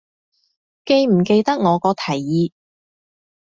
記唔記得我個提議